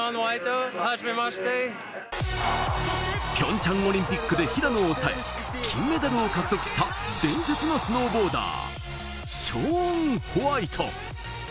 ピョンチャンオリンピックで平野を抑え、金メダルを獲得した伝説のスノーボーダー、ショーン・ホワイト。